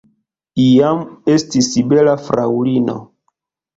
Iam estis bela fraŭlino.